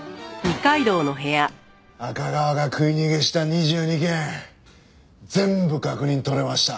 赤川が食い逃げした２２件全部確認取れました。